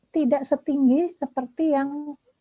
tidak setinggi seperti yang